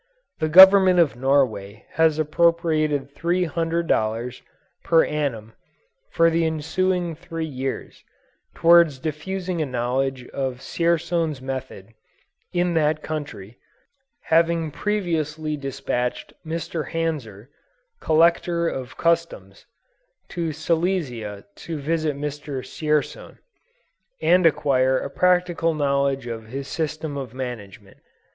The Government of Norway has appropriated $300, per annum, for the ensuing three years, towards diffusing a knowledge of Dzierzon's method, in that country; having previously despatched Mr. Hanser, Collector of Customs, to Silesia to visit Mr. Dzierzon, and acquire a practical knowledge of his system of management.